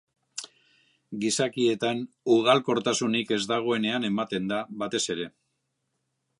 Gizakietan ugalkortasunik ez dagoenean ematen da, batez ere.